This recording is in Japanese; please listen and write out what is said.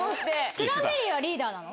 クランベリーはリーダーなの？